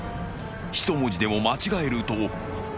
［一文字でも間違えると］